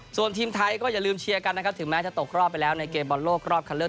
ส่วนทีมไทยก็อย่าลืมเชียร์กันนะครับถึงแม้จะตกรอบไปแล้วในเกมบอลโลกรอบคันเลือก